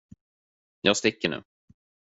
Jag sticker nu.